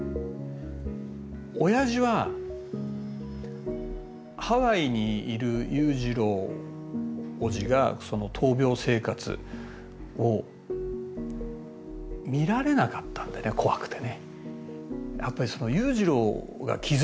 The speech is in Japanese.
おやじはハワイにいる裕次郎叔父がその闘病生活を見られなかったんでね怖くてね。